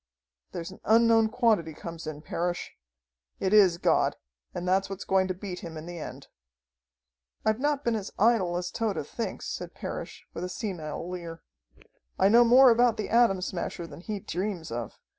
"There's an unknown quantity comes in, Parrish. It is God, and that's what's going to beat him in the end." "I've not been as idle as Tode thinks," said Parrish, with a senile leer. "I know more about the Atom Smasher than he dreams of.